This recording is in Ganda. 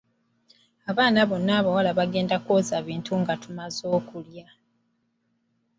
Abaana bonna abawala baganda kwoza bintu nga tumaze okulya.